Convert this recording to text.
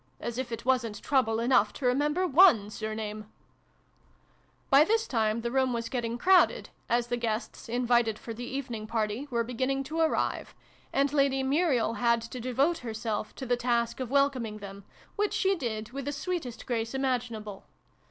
As if it wasn't trouble enough to remember one surname !" By this time the room was getting crowded, as the guests, invited for the evening party, were beginning to arrive, and Lady Muriel had to devote herself to the task of welcoming them, which she did with the sweetest grace imaginable.